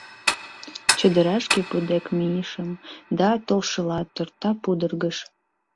Чодырашке пу дек мийышым, да, толшыла, торта пудыргыш.